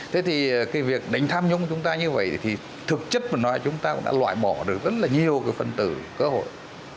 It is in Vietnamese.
thế thì việc đánh tham nhũng chúng ta như vậy thì thực chất mà nói chúng ta cũng đã loại bỏ được rất là nhiều phần tử cơ hội